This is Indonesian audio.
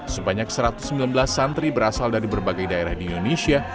sebanyak satu ratus sembilan belas santri berasal dari berbagai daerah di indonesia